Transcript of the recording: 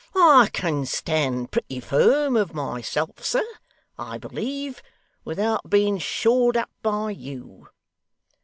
I can stand pretty firm of myself, sir, I believe, without being shored up by you.